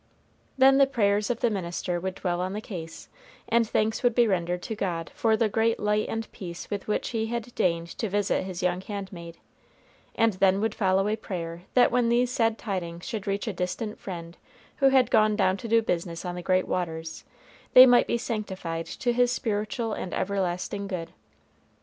Then the prayers of the minister would dwell on the case, and thanks would be rendered to God for the great light and peace with which he had deigned to visit his young handmaid; and then would follow a prayer that when these sad tidings should reach a distant friend who had gone down to do business on the great waters, they might be sanctified to his spiritual and everlasting good.